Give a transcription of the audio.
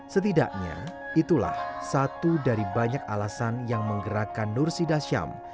setidaknya itulah satu dari banyak alasan yang menggerakkan nursi dasyam